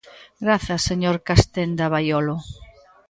Grazas, señor Castenda Baiolo.